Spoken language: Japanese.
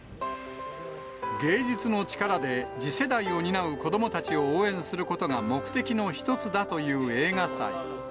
芸術の力で次世代を担う子どもたちを応援することが目的の一つだという映画祭。